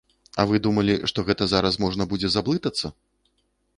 А вы думалі, што гэта зараз можна будзе заблытацца?